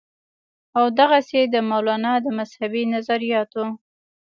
او دغسې د مولانا د مذهبي نظرياتو